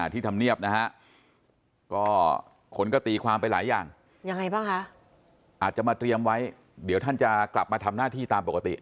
ธรรมเนียบนะฮะก็คนก็ตีความไปหลายอย่างยังไงบ้างคะอาจจะมาเตรียมไว้เดี๋ยวท่านจะกลับมาทำหน้าที่ตามปกติ